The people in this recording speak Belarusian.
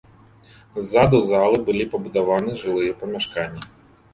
Ззаду залы былі пабудаваны жылыя памяшканні.